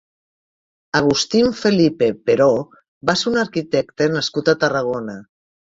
Agustín Felipe Peró va ser un arquitecte nascut a Tarragona.